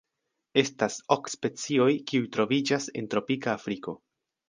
Estas ok specioj kiuj troviĝas en tropika Afriko.